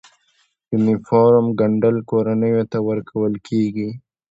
د یونیفورم ګنډل کورنیو ته ورکول کیږي؟